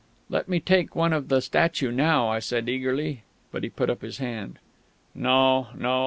"Let me take one of the statue now," I said eagerly. But he put up his hand. "No, no.